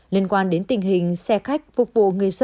liên quan đến tình hình xe khách phục vụ